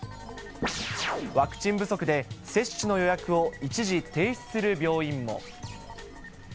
ワクチン不足で、接種の予約を一時停止する病院も。